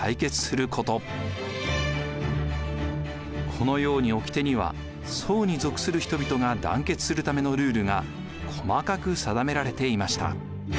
このようにおきてには惣に属する人々が団結するためのルールが細かく定められていました。